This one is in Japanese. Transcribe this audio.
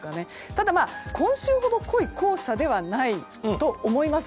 ただ、今週ほど濃い黄砂ではないと思います。